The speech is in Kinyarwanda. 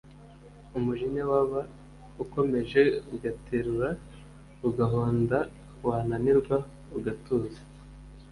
Umujinya waba ukomeje Ugaterura ugahondaWananirwa ugatuza